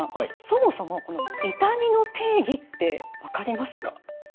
そもそも痛みの定義って分かりますか？